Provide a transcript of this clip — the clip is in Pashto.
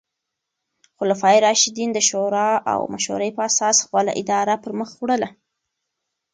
خلفای راشدین د شورا او مشورې په اساس خپله اداره پر مخ وړله.